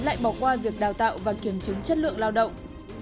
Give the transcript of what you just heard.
lại bỏ qua việc đào tạo và kiểm chứng chất lượng lao động